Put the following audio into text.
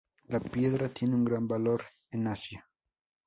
La piedra tiene un gran valor en Asia.